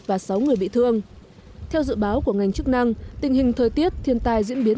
và sáu người bị thương theo dự báo của ngành chức năng tình hình thời tiết thiên tài diễn biến